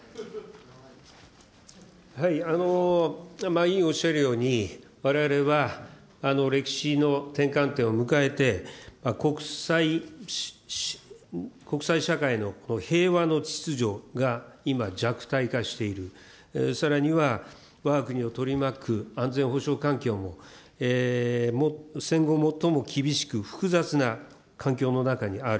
委員おっしゃるように、われわれは歴史の転換点を迎えて、国際社会の平和の秩序が今、弱体化している、さらにはわが国を取り巻く安全保障環境も戦後最も厳しく複雑な環境の中にある。